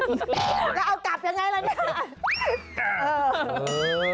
แล้วเอากลับยังไงล่ะเนี่ย